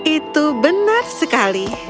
itu benar sekali